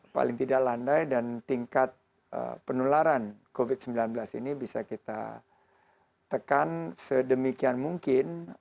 paling tidak landai dan tingkat penularan covid sembilan belas ini bisa kita tekan sedemikian mungkin